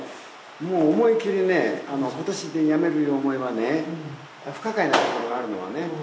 もう思い切りね今年でやめるいう思いはね不可解なところがあるのはね。